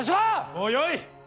もうよい！